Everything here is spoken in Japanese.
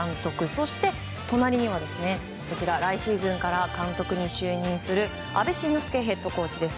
そして、隣には来シーズンから監督に就任する阿部慎之助ヘッドコーチです。